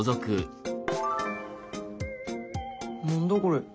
何だこれ？